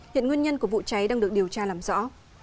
hiện nguyên nhân của vụ cháy đang được điều tra làm rõ